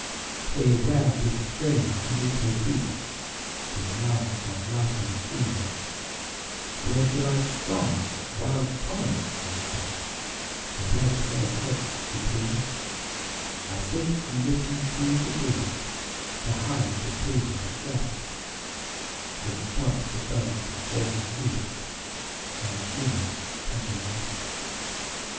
Here, where this strange Demeter weeps This large, sad life unseen Where July's strong, wild torrent leaps The wet hill heads between, I sit and listen to the grief, The high, supreme distress, Which sobs above the fallen leaf Like human tenderness!